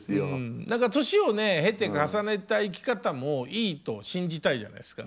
何か年を経て重ねた生き方もいいと信じたいじゃないですか。